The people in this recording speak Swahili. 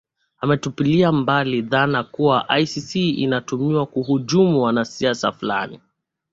ametupilia mbali dhana kuwa icc inatumiwa kuhujumu wanasiasa fulani